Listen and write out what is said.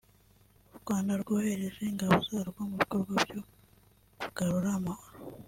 u Rwanda rwohereje ingabo zarwo mu bikorwa byo kugarura amahoro